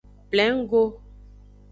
Plengo.